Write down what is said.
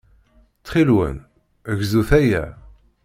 Ttxil-wen, gzut aya.